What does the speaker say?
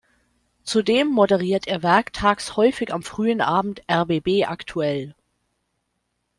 Zudem moderiert er werktags häufig am frühen Abend "rbb aktuell".